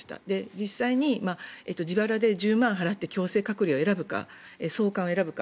実際に、自腹で１０万円払って強制隔離を選ぶか送還を選ぶか。